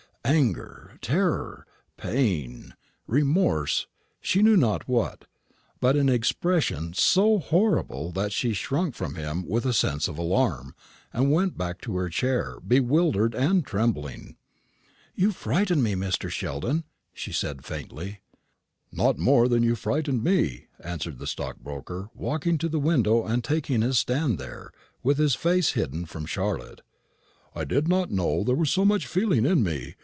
Anger, terror, pain, remorse, she knew not what, but an expression so horrible that she shrunk from him with a sense of alarm, and went back to her chair, bewildered and trembling. "You frightened me, Mr. Sheldon," she said faintly. "Not more than you frightened me," answered the stockbroker, walking to the window and taking his stand there, with his face hidden from Charlotte. "I did not know there was so much feeling in me.